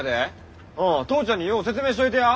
父ちゃんによう説明しといてや。